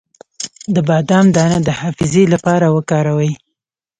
د بادام دانه د حافظې لپاره وکاروئ